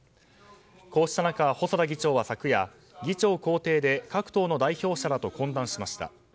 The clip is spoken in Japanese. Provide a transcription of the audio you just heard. こうした中、細田議長は昨夜議長公邸で各党の代表者らと懇談しました。